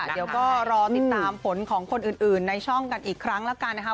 เดี๋ยวก็รอติดตามผลของคนอื่นในช่องกันอีกครั้งแล้วกันนะคะ